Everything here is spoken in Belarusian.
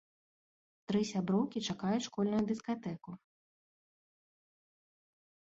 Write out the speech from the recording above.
Тры сяброўкі чакаюць школьную дыскатэку.